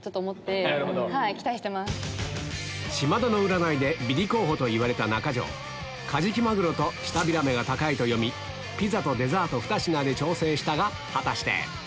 島田の占いでビリ候補と言われた中条カジキマグロとシタビラメが高いと読みピザとデザート２品で調整したが果たして？